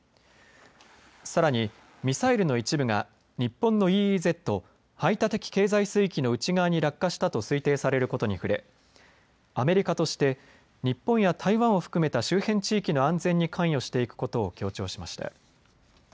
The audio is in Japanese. さらにミサイルの一部が日本のＥＥＺ・排他的経済水域の内側に落下したと推定されることに触れアメリカとして日本や台湾を含めた周辺地域の安全に関与していくことを強調しました。